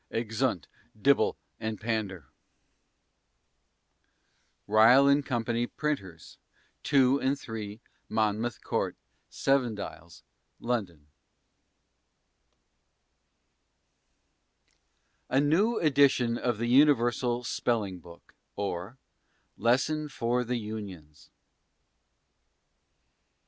Exeunt Dibble and Pander. RYLE & CO., Printers, 2 and 3, Monmouth Court, 7 Dials, London. A New Edition of the Universal SPELLING BOOK, OR A Lesson for the Unions.